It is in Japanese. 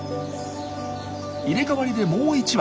入れ替わりでもう１羽。